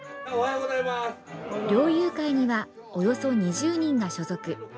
猟友会にはおよそ２０人が所属。